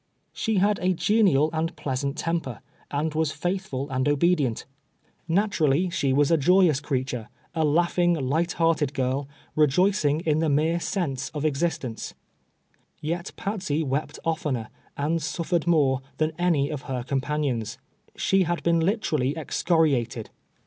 She had a genial and pleasant temper, and was faithful and obedient. Katurally, she was a joyous TREA'nrENT OF TATSET. 189 creature, a laugliin:. , light hearted girl, rejoicing in the mere sense of existence. Yet Patsey wept oftener, and sutitered more, than any of her companions. She had been literally excoriated.